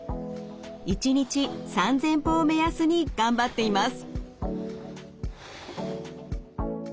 １日３，０００歩を目安に頑張っています。